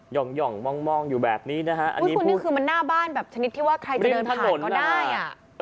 หย่องหย่องมองมองอยู่แบบนี้นะฮะอันนี้คือมันหน้าบ้านแบบชนิดที่ว่าใครจะเดินผ่านก็ได้อ่ะ